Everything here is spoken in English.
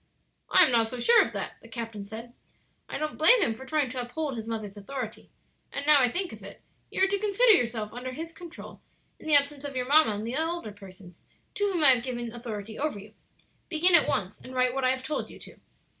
"I am not so sure of that," the captain said. "I don't blame him for trying to uphold his mother's authority; and now I think of it, you are to consider yourself under his control in the absence of your mamma and the older persons to whom I have given authority over you. Begin at once and write what I have told you to."